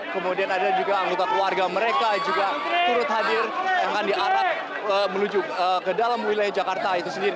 kemudian ada juga anggota keluarga mereka juga turut hadir yang akan diarak menuju ke dalam wilayah jakarta itu sendiri